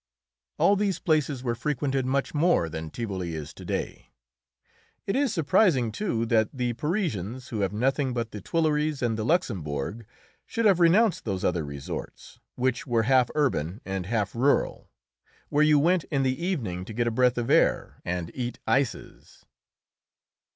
All these places were frequented much more than Tivoli is to day. It is surprising, too, that the Parisians, who have nothing but the Tuileries and the Luxembourg, should have renounced those other resorts, which were half urban and half rural, where you went in the evening to get a breath of air and eat ices.